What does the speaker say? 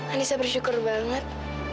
anissa bersyukur banget